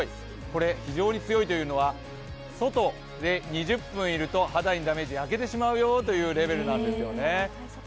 これ非常に強いというのは外で２０分いると肌にダメージ、焼けてしまうよというレベルなんですよね。